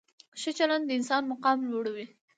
ښه چلند د انسان مقام لوړوي.